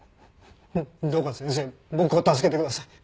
どうか先生僕を助けてください。